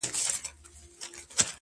بیرته چي یې راوړې ـ هغه بل وي زما نه ـ